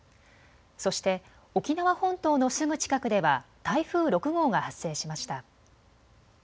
そして沖縄本島のすぐ近くでは台風６号が発生しました。